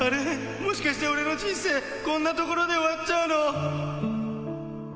もしかして俺の人生、こんなところで終わっちゃうの？